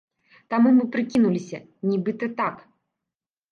Таму мы прыкінуліся, нібыта, так!